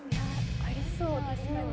ありそう確かに。